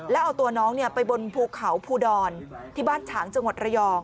แล้วเอาตัวน้องไปบนภูเขาภูดรที่บ้านฉางจังหวัดระยอง